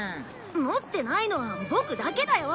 持ってないのはボクだけだよ。